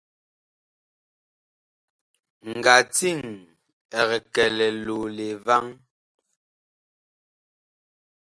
Ngatiŋ ɛg kɛ liloole vaŋ.